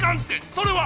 それは！